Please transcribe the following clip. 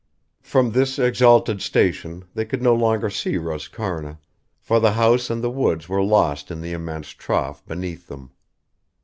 From this exalted station they could no longer see Roscarna, for the house and the woods were lost in the immense trough beneath them.